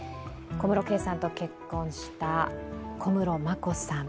小室圭さんと結婚した小室眞子さん。